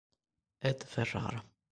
Ed Ferrara